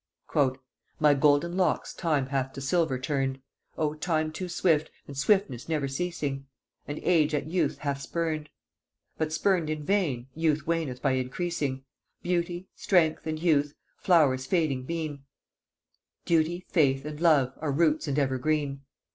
My golden locks time hath to silver turn'd, (Oh time too swift, and swiftness never ceasing) My youth 'gainst age, and age at' youth hath spurn'd: But spurn'd in vain, youth waneth by increasing, Beauty, strength, and youth, flowers fading been, Duty, faith, and love, are roots and evergreen.